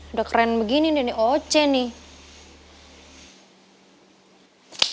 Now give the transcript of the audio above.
udah keren begini nih ini oc nih